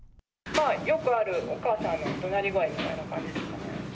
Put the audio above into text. よくある、お母さんのどなり声みたいな感じでしたね。